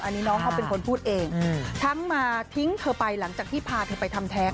อันนี้น้องเขาเป็นคนพูดเองทั้งมาทิ้งเธอไปหลังจากที่พาเธอไปทำแท้ง